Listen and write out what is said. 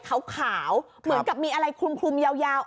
ขาวเหมือนกับมีอะไรคลุมยาว